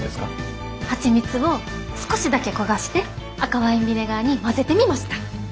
ハチミツを少しだけ焦がして赤ワインビネガーに混ぜてみました。